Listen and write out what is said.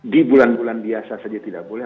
di bulan bulan biasa saja tidak boleh